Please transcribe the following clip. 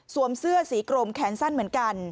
เสื้อสีกรมแขนสั้นเหมือนกัน